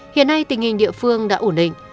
hiện nay tình hình địa phương đã ổn định